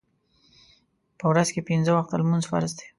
په ورځ کې پینځه وخته لمونځ فرض دی.